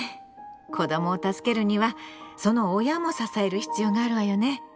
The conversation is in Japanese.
子どもを助けるにはその親も支える必要があるわよね。